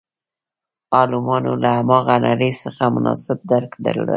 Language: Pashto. عالمانو له هماغه نړۍ څخه مناسب درک درلود.